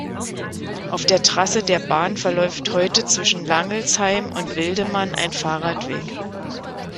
Auf der Trasse der Bahn verläuft heute zwischen Langelsheim und Wildemann ein Fahrradweg.